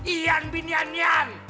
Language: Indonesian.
ian bin yanyan